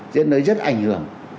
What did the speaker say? dẫn tới rất ảnh hưởng